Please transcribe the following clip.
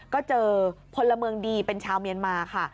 ก็เจอพลเมืองดีเป็นชาวเมียนมาค่ะ